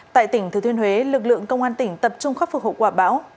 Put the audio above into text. tại tỉnh thứ thuyên huế lực lượng công an tỉnh tập trung khắc phục hậu quả bão